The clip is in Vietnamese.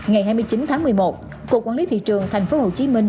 ngày hai mươi chín tháng một mươi một cục quản lý thị trường tp hcm